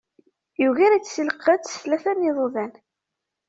Yugar-itt di lqedd s tlata n yiḍudan.